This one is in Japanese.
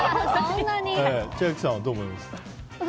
千秋さんはどう思いますか？